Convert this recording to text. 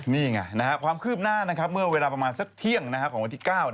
นี่ไงความคืบหน้าเมื่อเวลาประมาณสักเที่ยงของวันที่๙